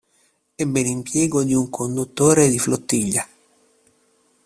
Ebbe l'impiego di un conduttore di flottiglia.